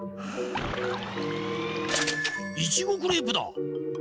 いちごクレープだ！